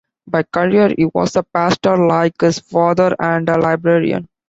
By career he was a pastor, like his father, and a librarian.